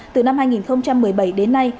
từ năm hai nghìn một mươi bảy đến nay